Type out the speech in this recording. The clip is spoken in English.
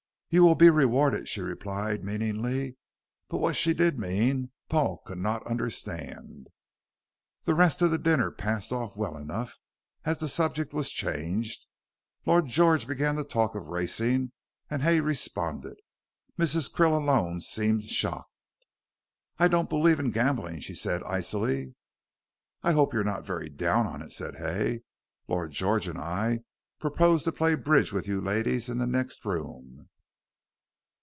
"You will be rewarded," she replied meaningly, but what she did mean Paul could not understand. The rest of the dinner passed off well enough, as the subject was changed. Lord George began to talk of racing, and Hay responded. Mrs. Krill alone seemed shocked. "I don't believe in gambling," she said icily. "I hope you are not very down on it," said Hay. "Lord George and I propose to play bridge with you ladies in the next room."